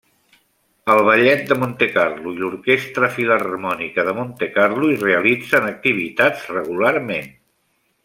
El Ballet de Montecarlo i l'Orquestra Filharmònica de Montecarlo hi realitzen activitats regularment.